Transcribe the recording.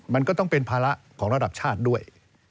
มันก็ต้องเป็นภาระของระดับชาติด้วย